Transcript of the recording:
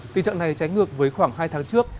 tình trạng này trái ngược với khoảng hai tháng trước